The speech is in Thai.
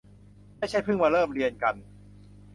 ไม่ใช่เพิ่งมาเริ่มเรียนกัน